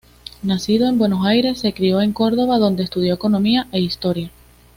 Nacido en Buenos Aires se crio en Córdoba, donde estudió economía e historia.